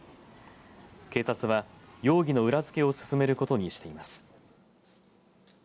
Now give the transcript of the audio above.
警察は容疑の裏付けを進めることにしています。